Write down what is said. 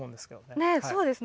ね、そうですね。